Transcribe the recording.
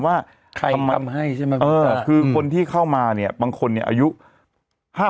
ว่าใครทำให้ใช่ไหมคือคนที่เข้ามาเนี่ยบางคนเนี่ยอายุ๕๐